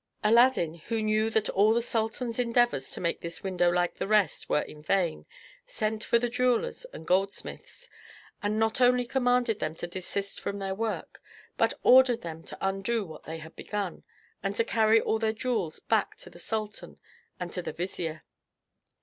Aladdin, who knew that all the sultan's endeavors to make this window like the rest were in vain, sent for the jewellers and goldsmiths, and not only commanded them to desist from their work, but ordered them to undo what they had begun, and to carry all their jewels back to the sultan and to the vizier.